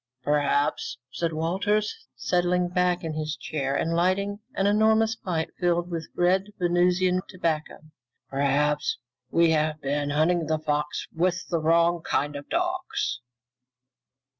"Perhaps," said Walters, settling back in his chair and lighting an enormous pipe filled with red Venusian tobacco, "perhaps we have been hunting the fox with the wrong kind of dogs."